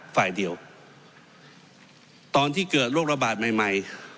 ฝ่ายเดียวตอนที่เกิดโรคระบาดใหม่ใหม่